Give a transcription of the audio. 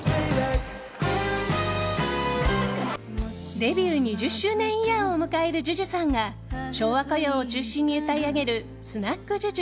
デビュー２０周年イヤーを迎えるＪＵＪＵさんが昭和歌謡を中心に歌い上げるスナックＪＵＪＵ